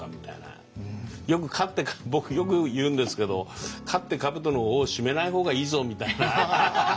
よく勝って僕よく言うんですけど勝って兜の緒を締めない方がいいぞみたいな。